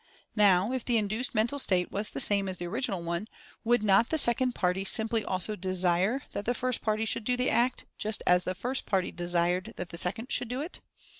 Now, if the induced mental state was the same as the original one, would not the second party simply also desire that the first party . should do the act, just as the first party desired that the second should do it?